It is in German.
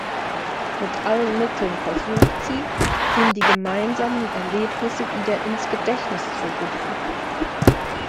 Mit allen Mitteln versucht sie, ihm die gemeinsamen Erlebnisse wieder ins Gedächtnis zu rufen.